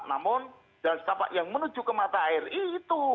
namun jalan setapak yang menuju ke mata air itu